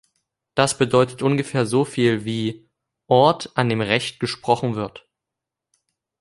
Das bedeutet ungefähr so viel wie „Ort an dem Recht gesprochen wird“.